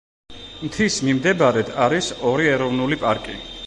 მთის მიმდებარედ არის ორი ეროვნული პარკი.